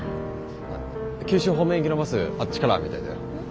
九州方面行きのバスあっちからみたいだよ。